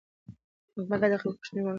حکومت باید د خلکو غوښتنې واوري